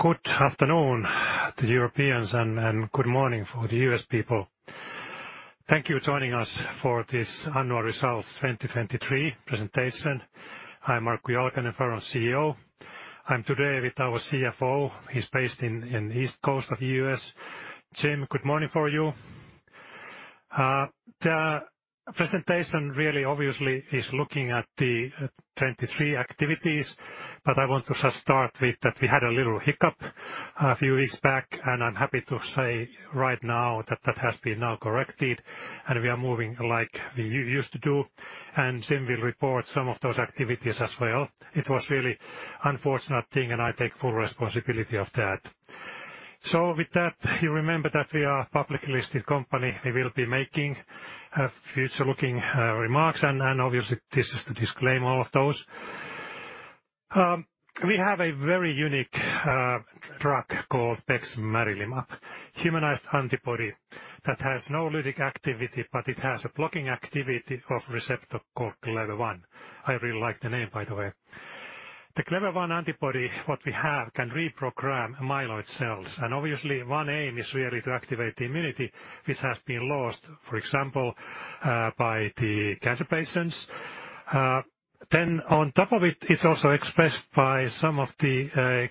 Good afternoon to Europeans and good morning for the US people. Thank you for joining us for this Annual Results 2023 presentation. I'm Markku Jalkanen, Faron's CEO. I'm today with our CFO; he's based in the East Coast of the US. Jim, good morning for you. The presentation really obviously is looking at the 2023 activities, but I want to just start with that we had a little hiccup a few weeks back, and I'm happy to say right now that that has been now corrected, and we are moving like we used to do. And Jim will report some of those activities as well. It was really an unfortunate thing, and I take full responsibility of that. So with that, you remember that we are a publicly listed company. We will be making future-looking remarks, and obviously this is to disclaim all of those. We have a very unique drug called bexmarilimab, humanized antibody that has no lytic activity, but it has a blocking activity of receptor called Clever-1. I really like the name, by the way. The Clever-1 antibody, what we have, can reprogram myeloid cells, and obviously one aim is really to activate the immunity, which has been lost, for example, by the cancer patients. Then on top of it, it's also expressed by some of the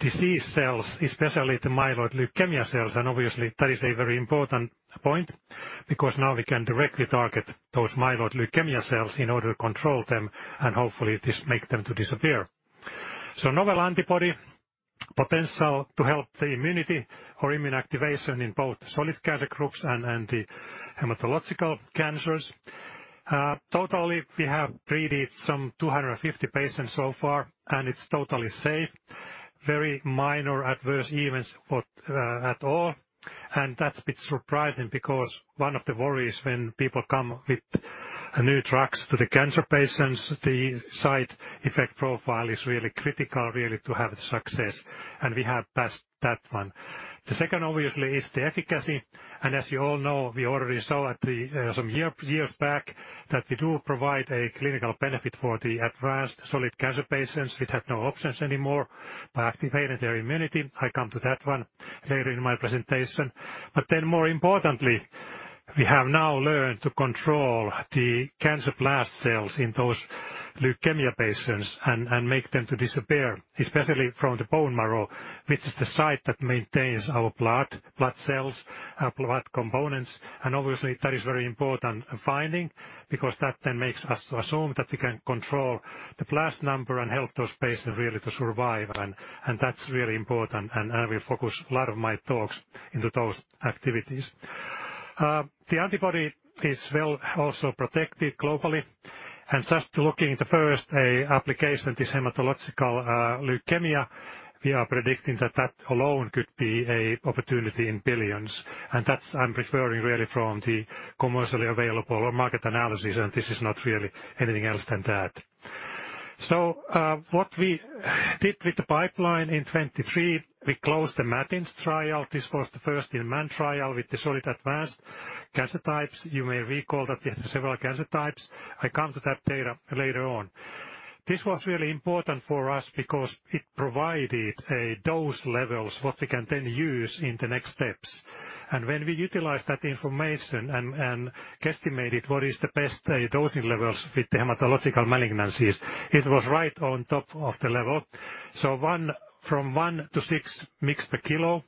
disease cells, especially the myeloid leukemia cells, and obviously that is a very important point because now we can directly target those myeloid leukemia cells in order to control them and hopefully just make them disappear. So novel antibody, potential to help the immunity or immune activation in both solid cancer groups and the hematological cancers. Totally we have treated some 250 patients so far, and it's totally safe. Very minor adverse events at all, and that's a bit surprising because one of the worries when people come with new drugs to the cancer patients, the side effect profile is really critical, really to have success, and we have passed that one. The second obviously is the efficacy, and as you all know, we already saw some years back that we do provide a clinical benefit for the advanced solid cancer patients which have no options anymore by activating their immunity. I come to that one later in my presentation. But then more importantly, we have now learned to control the cancer blast cells in those leukemia patients and make them disappear, especially from the bone marrow, which is the site that maintains our blood, blood cells, blood components, and obviously that is a very important finding because that then makes us assume that we can control the blast number and help those patients really to survive, and that's really important, and I will focus a lot of my talks into those activities. The antibody is well also protected globally, and just looking at the first application, this hematological leukemia, we are predicting that that alone could be an opportunity in billions, and that's I'm referring really from the commercially available market analysis, and this is not really anything else than that. So what we did with the pipeline in 2023, we closed the MATINS trial. This was the first-in-man trial with the solid advanced cancer types. You may recall that we had several cancer types. I come to that data later on. This was really important for us because it provided dose levels, what we can then use in the next steps. And when we utilized that information and estimated what is the best dosing levels with the hematological malignancies, it was right on top of the level. So from 1 to 6 mg per kg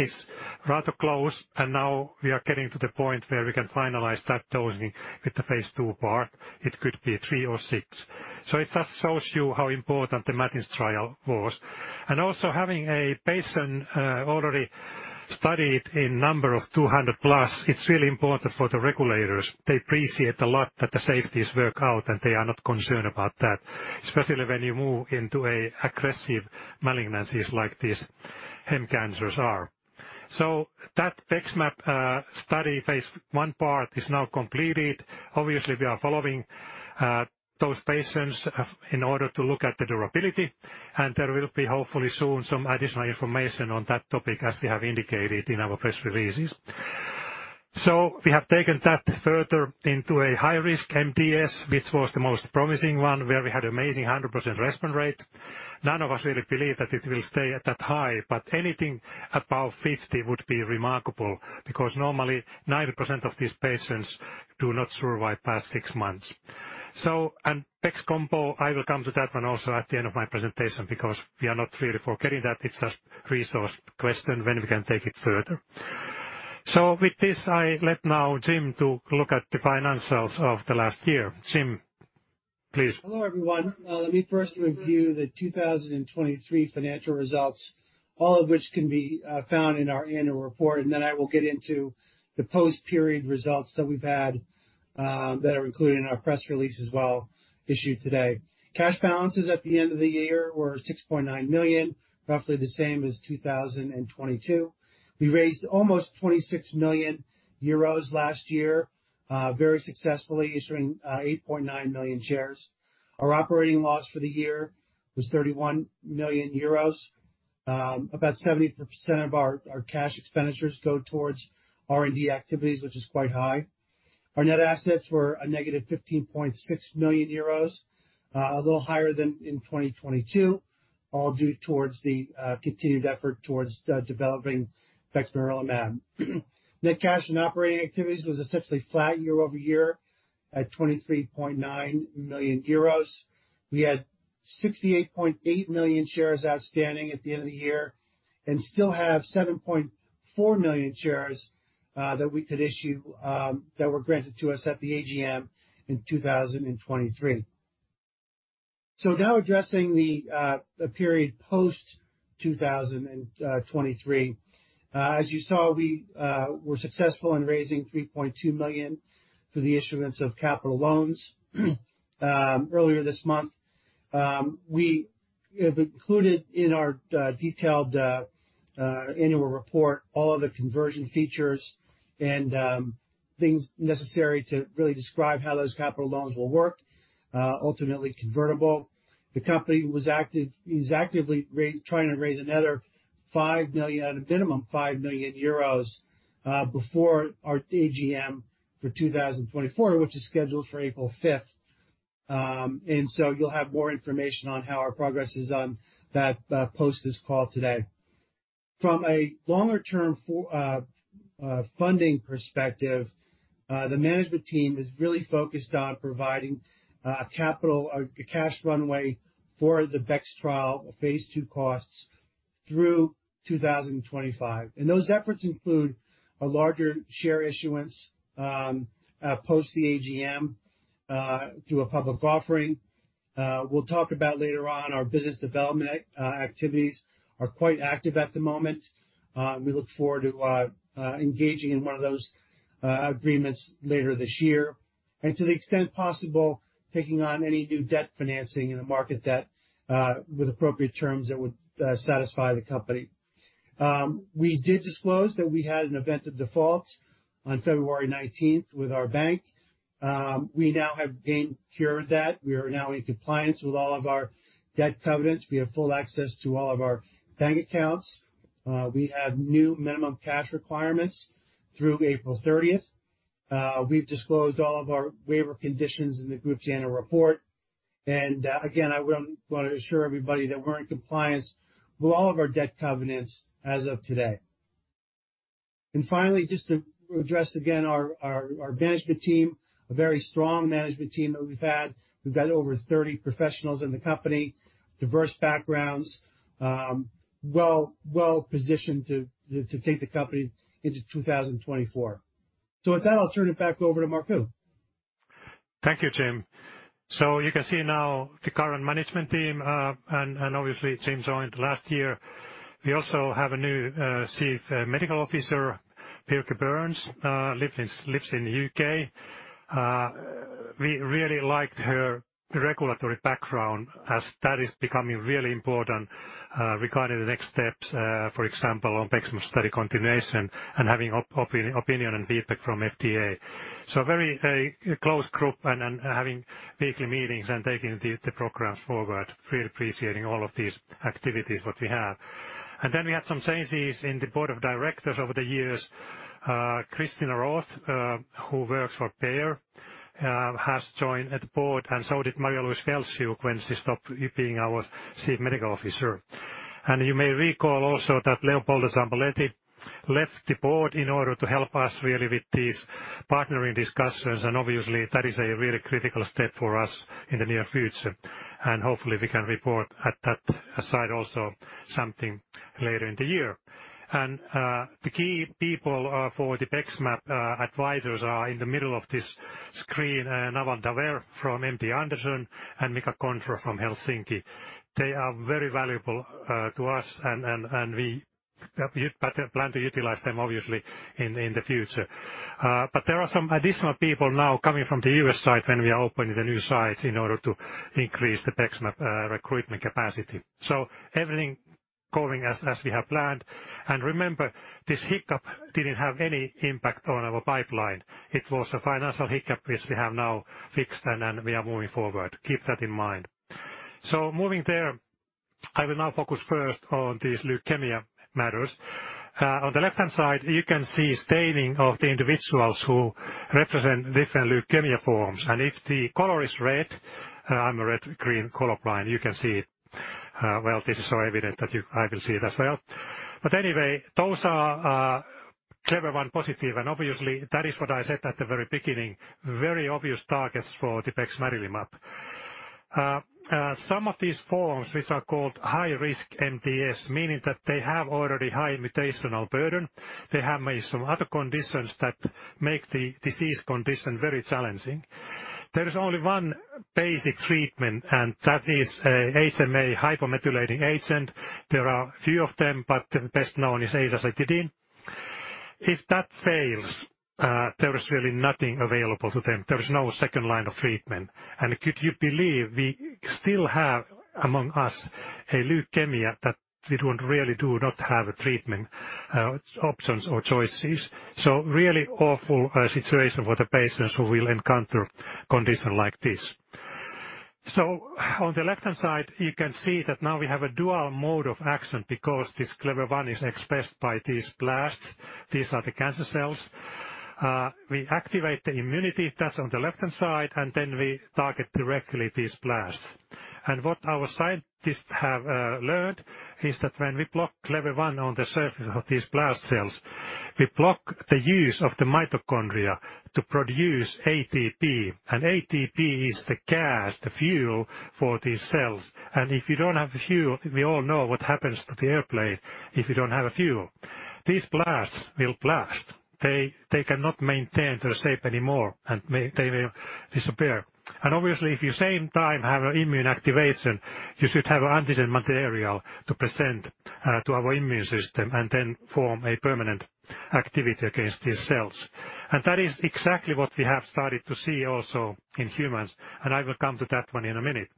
is rather close, and now we are getting to the point where we can finalize that dosing with the phase II part. It could be 3 or 6. So it just shows you how important the MATINS trial was. And also having a patient already studied in number of 200+, it's really important for the regulators. They appreciate a lot that the safeties work out, and they are not concerned about that, especially when you move into aggressive malignancies like these hem cancers are. So that BEXMAB study phase I part is now completed. Obviously, we are following those patients in order to look at the durability, and there will be hopefully soon some additional information on that topic as we have indicated in our press releases. So we have taken that further into a high-risk MDS, which was the most promising one, where we had an amazing 100% response rate. None of us really believe that it will stay at that high, but anything above 50% would be remarkable because normally 90% of these patients do not survive past six months. So, BEXCOMBO, I will come to that one also at the end of my presentation because we are not really forgetting that. It's just a resource question when we can take it further. So with this, I let now Jim to look at the financials of the last year. Jim, please. Hello everyone. Let me first review the 2023 financial results, all of which can be found in our annual report, and then I will get into the post-period results that we've had that are included in our press release as well issued today. Cash balances at the end of the year were 6.9 million, roughly the same as 2022. We raised almost 26 million euros last year very successfully, issuing 8.9 million shares. Our operating loss for the year was 31 million euros. About 70% of our cash expenditures go towards R&D activities, which is quite high. Our net assets were a negative 15.6 million euros, a little higher than in 2022, all due towards the continued effort towards developing bexmarilimab. Net cash and operating activities was essentially flat year-over-year at 23.9 million euros. We had 68.8 million shares outstanding at the end of the year and still have 7.4 million shares that we could issue that were granted to us at the AGM in 2023. So now addressing the period post-2023, as you saw, we were successful in raising 3.2 million for the issuance of capital loans earlier this month. We have included in our detailed annual report all of the conversion features and things necessary to really describe how those capital loans will work, ultimately convertible. The company was actively trying to raise another 5 million, at a minimum 5 million euros, before our AGM for 2024, which is scheduled for April 5th. So you'll have more information on how our progress is on that post this call today. From a longer-term funding perspective, the management team is really focused on providing a cash runway for the BEX trial phase II costs through 2025. Those efforts include a larger share issuance post the AGM through a public offering. We'll talk about later on our business development activities. We're quite active at the moment. We look forward to engaging in one of those agreements later this year. To the extent possible, taking on any new debt financing in the market with appropriate terms that would satisfy the company. We did disclose that we had an event of default on February 19th with our bank. We now have cured that. We are now in compliance with all of our debt covenants. We have full access to all of our bank accounts. We have new minimum cash requirements through April 30th. We've disclosed all of our waiver conditions in the group's annual report. Again, I want to assure everybody that we're in compliance with all of our debt covenants as of today. Finally, just to address again our management team, a very strong management team that we've had. We've got over 30 professionals in the company, diverse backgrounds, well positioned to take the company into 2024. With that, I'll turn it back over to Markku. Thank you, Jim. So you can see now the current management team, and obviously Jim joined last year. We also have a new Chief Medical Officer, Birge Berns, who lives in the UK. We really liked her regulatory background as that is becoming really important regarding the next steps, for example, on BEXMAB study continuation and having opinion and feedback from FDA. So a very close group and having weekly meetings and taking the programs forward, really appreciating all of these activities, what we have. And then we had some changes in the board of directors over the years. Christine Roth, who works for Bayer, has joined the board, and so did Marie-Louise Fjällskog when she stopped being our Chief Medical Officer. You may recall also that Leopoldo Zambaletti left the board in order to help us really with these partnering discussions, and obviously that is a really critical step for us in the near future. Hopefully we can report at that side also something later in the year. The key people for the BEXMAB advisors are in the middle of this screen, Naval Daver from MD Anderson and Mika Kontro from Helsinki. They are very valuable to us, and we plan to utilize them obviously in the future. But there are some additional people now coming from the US side when we are opening the new sites in order to increase the BEXMAB recruitment capacity. Everything is going as we have planned. Remember, this hiccup didn't have any impact on our pipeline. It was a financial hiccup which we have now fixed, and we are moving forward. Keep that in mind. So moving there, I will now focus first on these leukemia matters. On the left-hand side, you can see staining of the individuals who represent different leukemia forms. And if the color is red, I'm a red-green color blind, you can see it. Well, this is so evident that I will see it as well. But anyway, those are Clever-1 positive, and obviously that is what I said at the very beginning, very obvious targets for the bexmarilimab. Some of these forms which are called high-risk MDS, meaning that they have already high mutational burden. They have made some other conditions that make the disease condition very challenging. There is only one basic treatment, and that is an HMA, hypomethylating agent. There are a few of them, but the best known is azacitidine. If that fails, there is really nothing available to them. There is no second line of treatment. And could you believe we still have among us a leukemia that we don't really do not have treatment options or choices? So really awful situation for the patients who will encounter condition like this. So on the left-hand side, you can see that now we have a dual mode of action because this Clever-1 is expressed by these blasts. These are the cancer cells. We activate the immunity. That's on the left-hand side, and then we target directly these blasts. And what our scientists have learned is that when we block Clever-1 on the surface of these blast cells, we block the use of the mitochondria to produce ATP. And ATP is the gas, the fuel for these cells. If you don't have fuel, we all know what happens to the airplane if you don't have fuel. These blasts will blast. They cannot maintain their shape anymore, and they may disappear. And obviously, if you at the same time have an immune activation, you should have an antigen material to present to our immune system and then form a permanent activity against these cells. And that is exactly what we have started to see also in humans, and I will come to that one in a minute.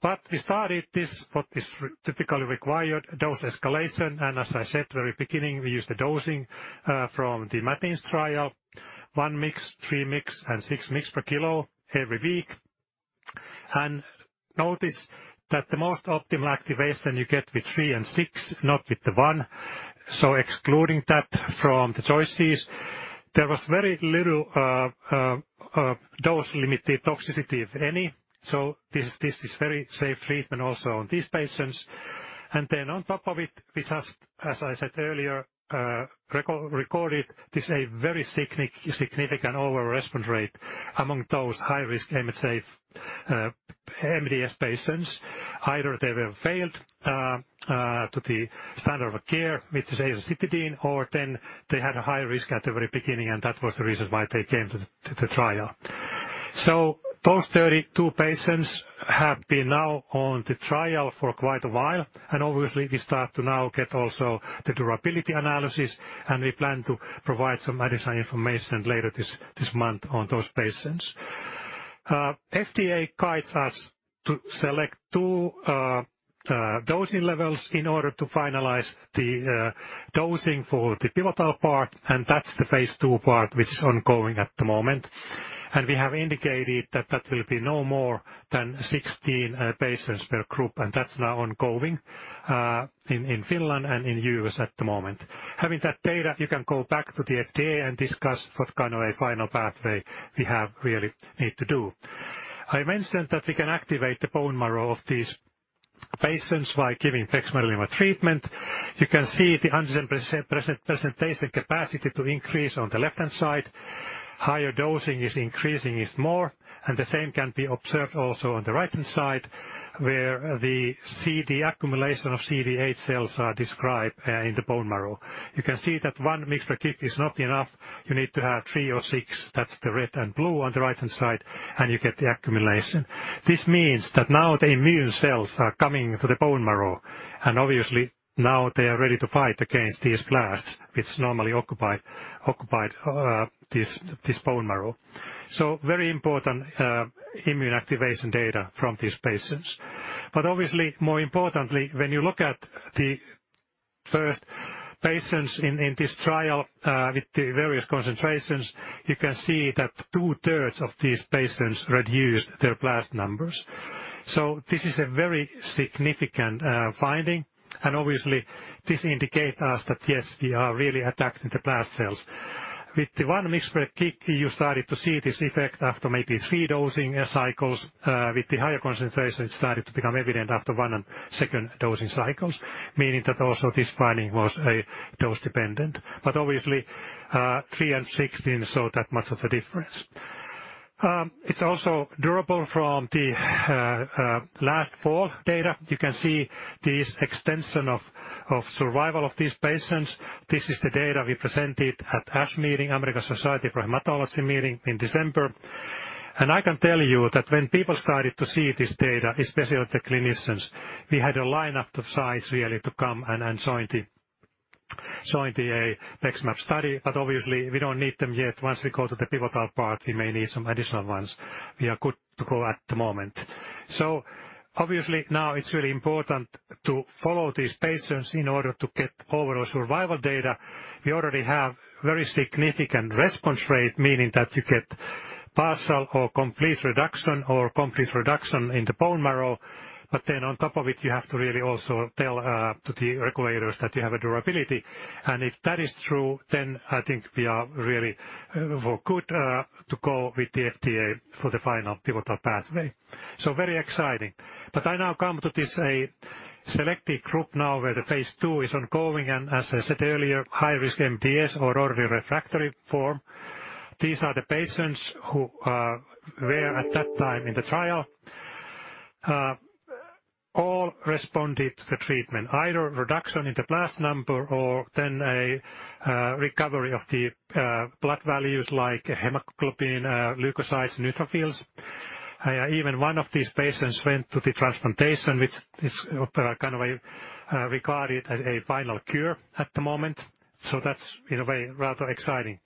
But we started this, what is typically required, dose escalation, and as I said at the very beginning, we used the dosing from the MATINS trial, 1 mg, 3 mg, and 6 mg per kg every week. And notice that the most optimal activation you get with 3 and 6, not with the one. So excluding that from the choices, there was very little dose-limiting toxicity if any. So this is very safe treatment also on these patients. And then on top of it, we just, as I said earlier, recorded this very significant overall response rate among those high-risk HMA-failed MDS patients. Either they have failed to the standard of care, which is azacitidine, or then they had a high risk at the very beginning, and that was the reason why they came to the trial. So those 32 patients have been now on the trial for quite a while, and obviously we start to now get also the durability analysis, and we plan to provide some additional information later this month on those patients. FDA guides us to select two dosing levels in order to finalize the dosing for the pivotal part, and that's the phase II part which is ongoing at the moment. We have indicated that that will be no more than 16 patients per group, and that's now ongoing in Finland and in the U.S. at the moment. Having that data, you can go back to the FDA and discuss what kind of a final pathway we really need to do. I mentioned that we can activate the bone marrow of these patients by giving bexmarilimab treatment. You can see the antigen presentation capacity to increase on the left-hand side. Higher dosing is increasing more, and the same can be observed also on the right-hand side where the accumulation of CD8 cells are described in the bone marrow. You can see that 1 mg/kg is not enough. You need to have 3 or 6. That's the red and blue on the right-hand side, and you get the accumulation. This means that now the immune cells are coming to the bone marrow, and obviously now they are ready to fight against these blasts which normally occupy this bone marrow. So very important immune activation data from these patients. But obviously, more importantly, when you look at the first patients in this trial with the various concentrations, you can see that two-thirds of these patients reduced their blast numbers. So this is a very significant finding, and obviously this indicates us that yes, we are really attacking the blast cells. With the 1 mg/kg, you started to see this effect after maybe three dosing cycles. With the higher concentration, it started to become evident after one and second dosing cycles, meaning that also this finding was dose-dependent. But obviously, 3 and 6 showed that much of a difference. It's also durable from the last fall data. You can see this extension of survival of these patients. This is the data we presented at ASH meeting, American Society of Hematology meeting in December. And I can tell you that when people started to see this data, especially the clinicians, we had a line of the sites really to come and join the BEXMAB study. But obviously, we don't need them yet. Once we go to the pivotal part, we may need some additional ones. We are good to go at the moment. So obviously now it's really important to follow these patients in order to get overall survival data. We already have very significant response rate, meaning that you get partial or complete reduction or complete reduction in the bone marrow. But then on top of it, you have to really also tell the regulators that you have a durability. And if that is true, then I think we are really good to go with the FDA for the final pivotal pathway. So very exciting. But I now come to this selected group now where the phase II is ongoing. And as I said earlier, high-risk MDS or early refractory form, these are the patients who were at that time in the trial. All responded to the treatment, either reduction in the blast number or then a recovery of the blood values like hemoglobin, leukocytes, neutrophils. Even one of these patients went to the transplantation, which is kind of regarded as a final cure at the moment. So that's, in a way, rather exciting.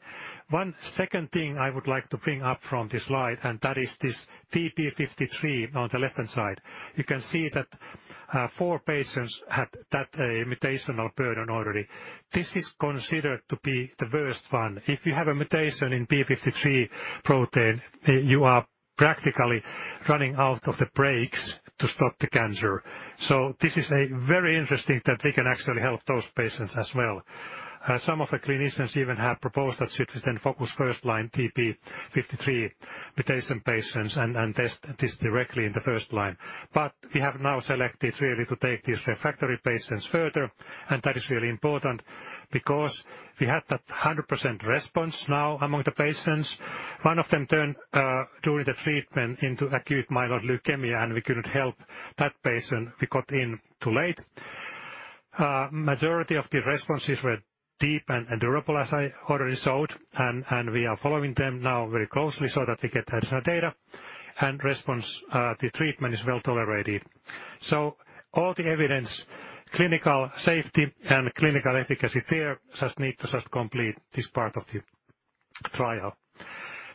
One second thing I would like to bring up from this slide, and that is this TP53 on the left-hand side. You can see that four patients had that mutational burden already. This is considered to be the worst one. If you have a mutation in P53 protein, you are practically running out of the brakes to stop the cancer. So this is very interesting that we can actually help those patients as well. Some of the clinicians even have proposed that should we then focus first-line TP53 mutation patients and test this directly in the first line. But we have now selected really to take these refractory patients further, and that is really important because we had that 100% response now among the patients. One of them turned during the treatment into acute myeloid leukemia, and we couldn't help that patient. We got in too late. The majority of the responses were deep and durable, as I already showed, and we are following them now very closely so that we get additional data. The treatment is well tolerated. All the evidence, clinical safety and clinical efficacy there, just need to just complete this part of the trial.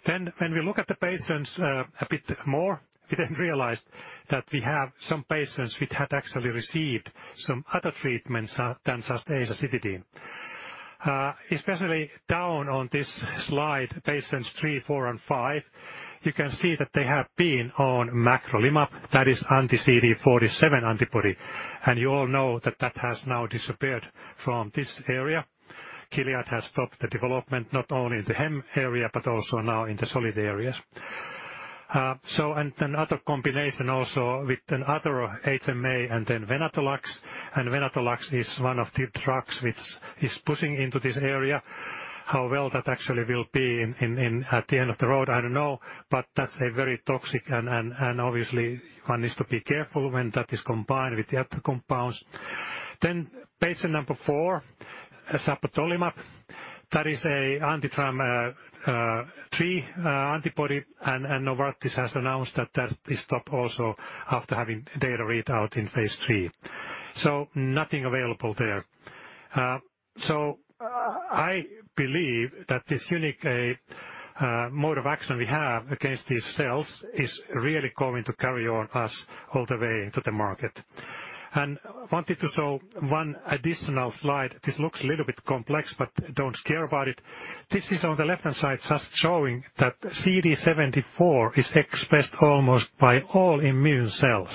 Then when we look at the patients a bit more, we then realized that we have some patients which had actually received some other treatments than just Azacitidine. Especially down on this slide, patients three, four, and five, you can see that they have been on Magrolimab. That is anti-CD47 antibody, and you all know that that has now disappeared from this area. Gilead has stopped the development not only in the hem area, but also now in the solid areas. And another combination also with another HMA and then Venetoclax. Venetoclax is one of the drugs which is pushing into this area. How well that actually will be at the end of the road, I don't know, but that's very toxic, and obviously one needs to be careful when that is combined with the other compounds. Patient number four, Sabatolimab. That is an anti-TIM-3 antibody, and Novartis has announced that that is stopped also after having data read out in phase III. So nothing available there. So I believe that this unique mode of action we have against these cells is really going to carry on us all the way into the market. And I wanted to show one additional slide. This looks a little bit complex, but don't care about it. This is on the left-hand side just showing that CD74 is expressed almost by all immune cells.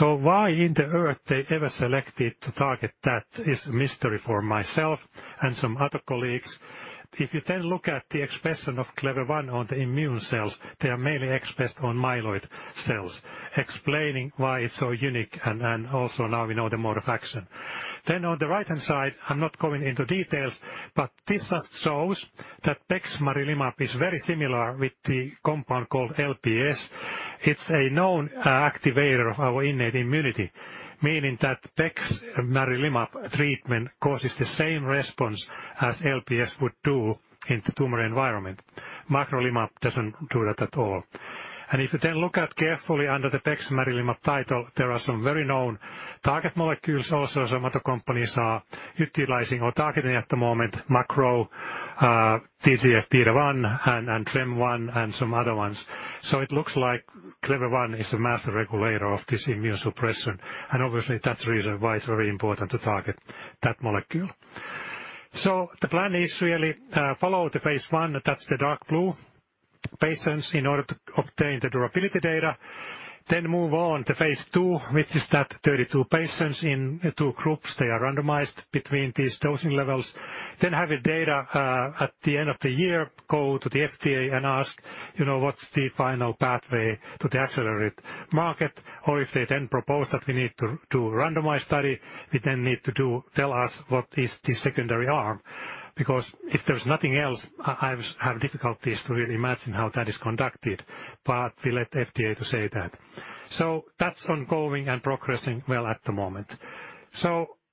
So why on earth they ever selected to target that is a mystery for myself and some other colleagues. If you then look at the expression of Clever-1 on the immune cells, they are mainly expressed on myeloid cells, explaining why it's so unique, and also now we know the mode of action. Then on the right-hand side, I'm not going into details, but this just shows that bexmarilimab is very similar with the compound called LPS. It's a known activator of our innate immunity, meaning that bexmarilimab treatment causes the same response as LPS would do in the tumor environment. Magrolimab doesn't do that at all. And if you then look at carefully under the bexmarilimab title, there are some very known target molecules also some other companies are utilizing or targeting at the moment, CD47, TGF-beta, and TREM1, and some other ones. So it looks like Clever-1 is a master regulator of this immune suppression, and obviously that's the reason why it's very important to target that molecule. So the plan is really follow the phase I, that's the dark blue patients, in order to obtain the durability data. Then move on to phase II, which is that 32 patients in two groups. They are randomized between these dosing levels. Then have the data at the end of the year go to the FDA and ask, "What's the final pathway to the accelerated market?" Or if they then propose that we need to do a randomized study, we then need to tell us what is the secondary arm because if there's nothing else, I have difficulties to really imagine how that is conducted, but we let the FDA say that. So that's ongoing and progressing well at the moment.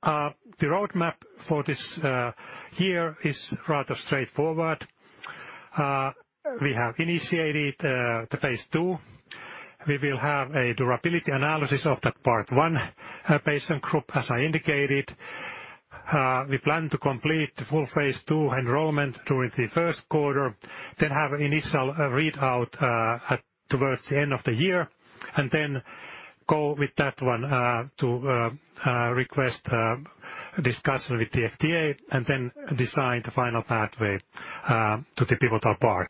The roadmap for this year is rather straightforward. We have initiated the phase II. We will have a durability analysis of that part one patient group, as I indicated. We plan to complete the full phase II enrollment during the first quarter, then have an initial read out towards the end of the year, and then go with that one to request discussion with the FDA, and then design the final pathway to the pivotal part.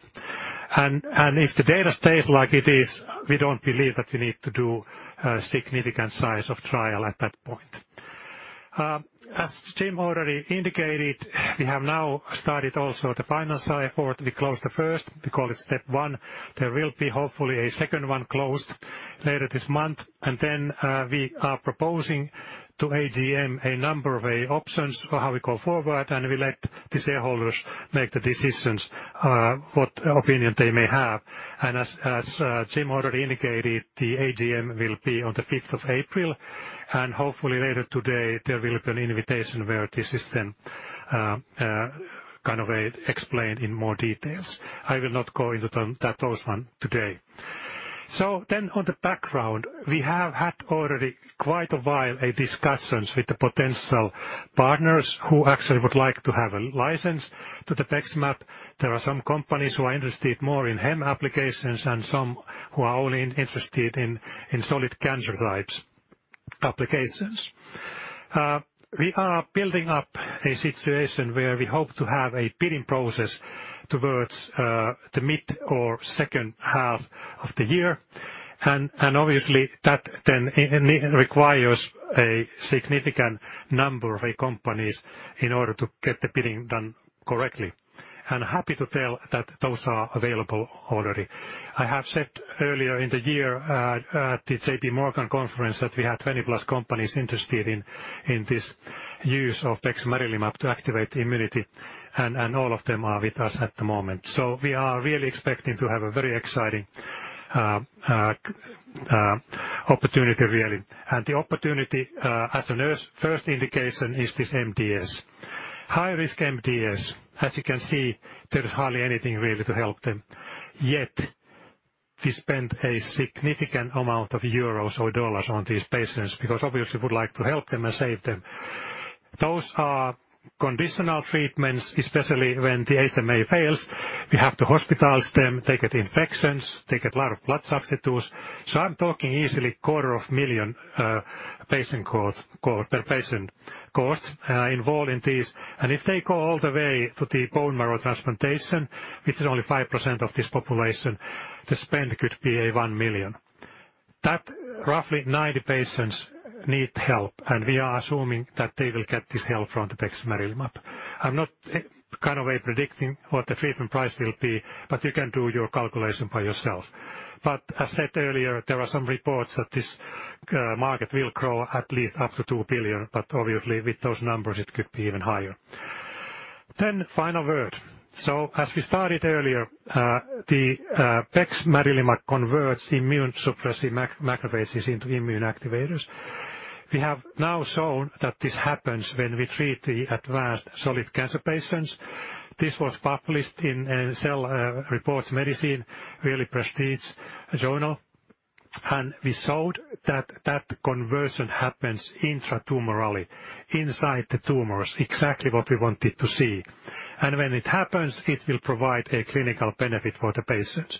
If the data stays like it is, we don't believe that we need to do a significant size of trial at that point. As Jim already indicated, we have now started also the final site effort. We closed the first. We call it step 1. There will be hopefully a second one closed later this month, and then we are proposing to AGM a number of options or how we go forward, and we let these shareholders make the decisions what opinion they may have. As Jim already indicated, the AGM will be on the 5th of April, and hopefully later today there will be an invitation where this is then kind of explained in more details. I will not go into that dose one today. Then on the background, we have had already quite a while discussions with the potential partners who actually would like to have a license to the bexmarilimab. There are some companies who are interested more in hem applications and some who are only interested in solid cancer types applications. We are building up a situation where we hope to have a bidding process towards the mid or second half of the year, and obviously that then requires a significant number of companies in order to get the bidding done correctly. And happy to tell that those are available already. I have said earlier in the year at the JPMorgan conference that we had 20+ companies interested in this use of bexmarilimab to activate immunity, and all of them are with us at the moment. So we are really expecting to have a very exciting opportunity, really. And the opportunity, as a nurse, first indication is this MDS. High-risk MDS. As you can see, there's hardly anything really to help them. Yet we spend a significant amount of euros or dollars on these patients because obviously we would like to help them and save them. Those are conditional treatments, especially when the HMA fails. We have to hospitalize them, take out infections, take out a lot of blood substitutes. So I'm talking easily $250,000 per patient costs involved in these. And if they go all the way to the bone marrow transplantation, which is only 5% of this population, the spend could be $1 million. That roughly 90 patients need help, and we are assuming that they will get this help from the bexmarilimab. I'm not kind of predicting what the treatment price will be, but you can do your calculation by yourself. But as said earlier, there are some reports that this market will grow at least up to $2 billion, but obviously with those numbers it could be even higher. Then final word. So as we started earlier, the bexmarilimab converts immune suppressive macrophages into immune activators. We have now shown that this happens when we treat the advanced solid cancer patients. This was published in Cell Reports Medicine, really prestigious journal, and we showed that that conversion happens intratumorally, inside the tumors, exactly what we wanted to see. When it happens, it will provide a clinical benefit for the patients.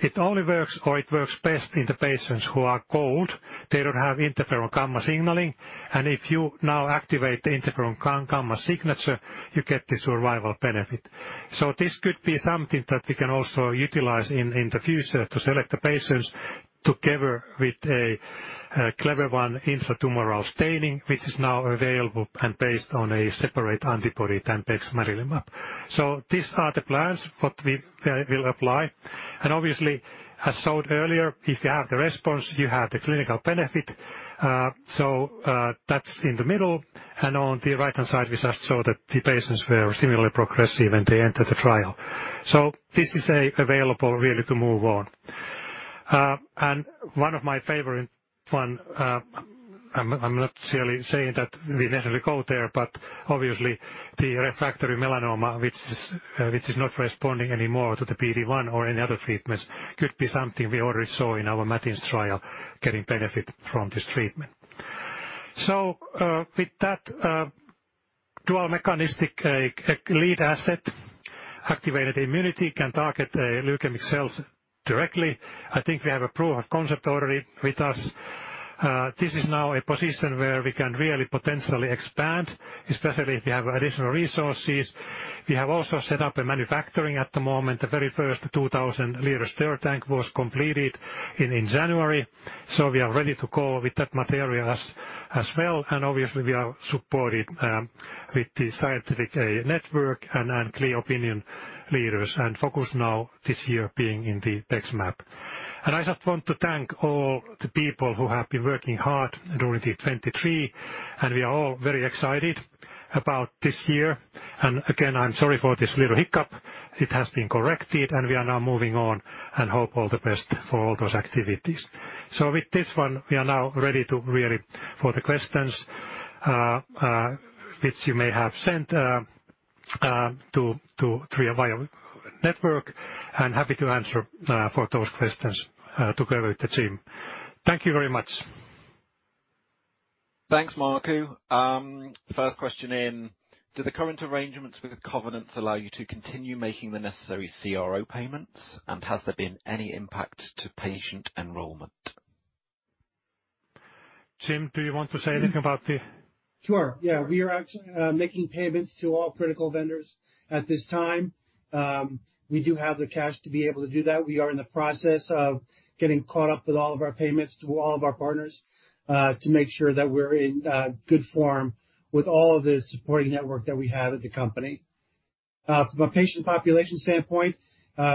It only works or it works best in the patients who are cold. They don't have interferon gamma signaling, and if you now activate the interferon gamma signature, you get this survival benefit. This could be something that we can also utilize in the future to select the patients together with a Clever-1 intratumoral staining, which is now available and based on a separate antibody than bexmarilimab. These are the plans what we will apply. Obviously, as showed earlier, if you have the response, you have the clinical benefit. So that's in the middle. On the right-hand side, we just showed that the patients were similarly progressive when they entered the trial. This is available really to move on. One of my favorite ones I'm not really saying that we necessarily go there, but obviously the refractory melanoma, which is not responding anymore to the PD-1 or any other treatments, could be something we already saw in our MATINS trial getting benefit from this treatment. With that, dual mechanistic lead asset activated immunity can target leukemic cells directly. I think we have a proof of concept already with us. This is now a position where we can really potentially expand, especially if we have additional resources. We have also set up a manufacturing at the moment. The very first 2,000-liter stirred tank was completed in January. So we are ready to go with that material as well, and obviously we are supported with the scientific network and clear opinion leaders and focus now this year being in the BEXMAB. And I just want to thank all the people who have been working hard during the 2023, and we are all very excited about this year. And again, I'm sorry for this little hiccup. It has been corrected, and we are now moving on and hope all the best for all those activities. So with this one, we are now ready to really for the questions which you may have sent via network and happy to answer for those questions together with the team. Thank you very much. Thanks, Markku. First question in. Do the current arrangements with Covenants allow you to continue making the necessary CRO payments, and has there been any impact to patient enrollment? Jim, do you want to say anything about the? Sure. Yeah. We are actually making payments to all critical vendors at this time. We do have the cash to be able to do that. We are in the process of getting caught up with all of our payments to all of our partners to make sure that we're in good form with all of the supporting network that we have at the company. From a patient population standpoint,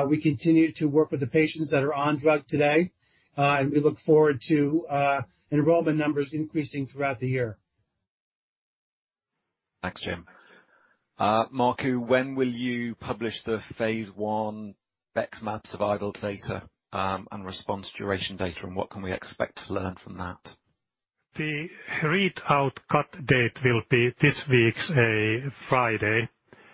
we continue to work with the patients that are on drug today, and we look forward to enrollment numbers increasing throughout the year. Thanks, Jim. Markku, when will you publish the phase I BEXMAB survival data and response duration data, and what can we expect to learn from that? The read-out cut date will be this week's Friday,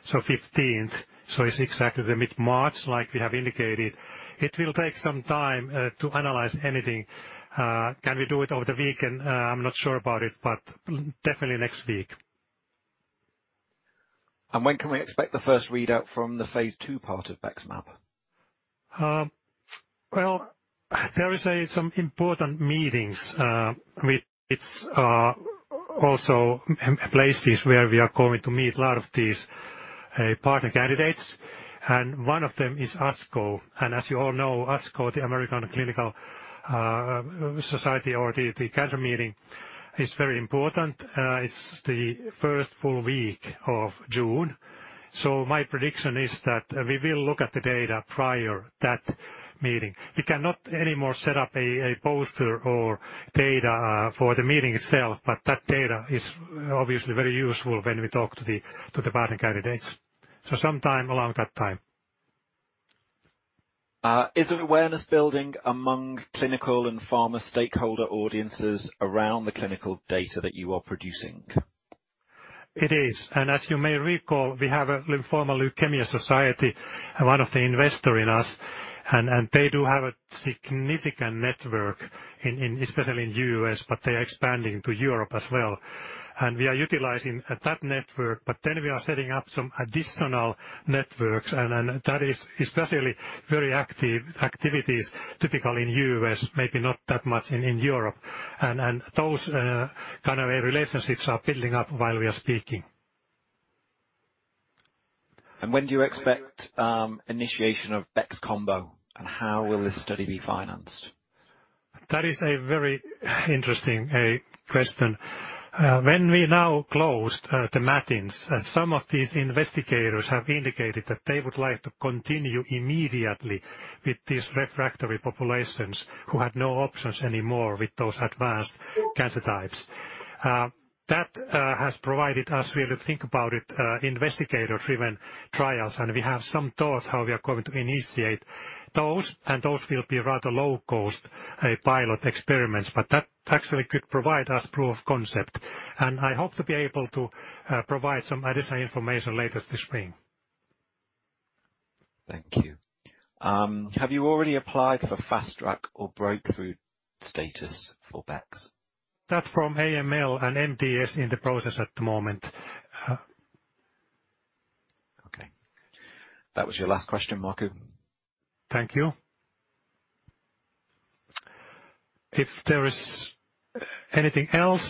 so 15th. It's exactly the mid-March like we have indicated. It will take some time to analyze anything. Can we do it over the weekend? I'm not sure about it, but definitely next week. When can we expect the first read-out from the phase II part of BEXMAB? Well, there are some important meetings which also place these where we are going to meet a lot of these partner candidates, and one of them is ASCO. And as you all know, ASCO, the American Society of Clinical Oncology or the cancer meeting, is very important. It's the first full week of June. So my prediction is that we will look at the data prior to that meeting. We cannot anymore set up a poster or data for the meeting itself, but that data is obviously very useful when we talk to the partner candidates. So sometime along that time. Is there awareness building among clinical and pharma stakeholder audiences around the clinical data that you are producing? It is. As you may recall, we have a Leukemia & Lymphoma Society, one of the investors in us, and they do have a significant network, especially in the U.S., but they are expanding to Europe as well. We are utilizing that network, but then we are setting up some additional networks, and that is especially very active activities typical in the U.S., maybe not that much in Europe. Those kind of relationships are building up while we are speaking. When do you expect initiation of BEXCOMBO, and how will this study be financed? That is a very interesting question. When we now closed the MATINS, some of these investigators have indicated that they would like to continue immediately with these refractory populations who had no options anymore with those advanced cancer types. That has provided us really to think about it, investigator-driven trials, and we have some thoughts how we are going to initiate those, and those will be rather low-cost pilot experiments, but that actually could provide us proof of concept. I hope to be able to provide some additional information later this spring. Thank you. Have you already applied for fast-track or breakthrough status for BEX? That's from AML and MDS in the process at the moment. Okay. That was your last question, Markku. Thank you. If there is anything else,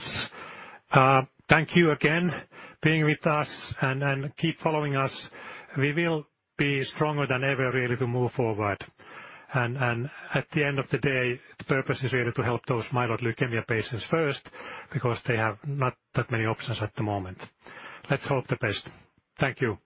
thank you again being with us and keep following us. We will be stronger than ever really to move forward. At the end of the day, the purpose is really to help those myeloid leukemia patients first because they have not that many options at the moment. Let's hope the best. Thank you.